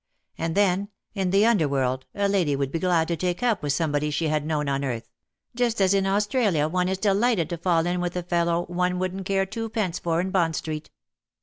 And then, in the under world, a lady would be glad to take up with some body she had known on earth : just as in Australia one is delighted to fall in with a fellow one wouldn^t care twopence for in Bond Street.